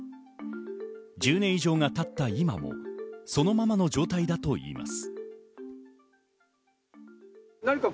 １０年以上が経った今もそのままの状態だといいます。